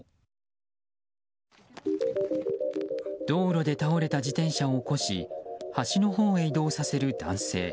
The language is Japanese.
道路で倒れた自転車を起こし端のほうへ移動させる男性。